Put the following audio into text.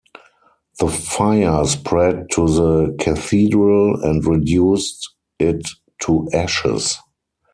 The fire spread to the cathedral, and reduced it to ashes.